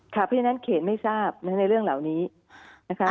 เพราะฉะนั้นเขตไม่ทราบในเรื่องเหล่านี้นะคะ